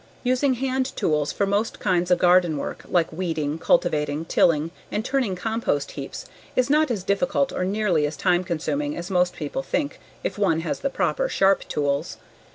Using hand tools for most kinds of garden work, like weeding, cultivating, tilling, and turning compost heaps is not as difficult or nearly as time consuming as most people think if one has the proper, sharp tools.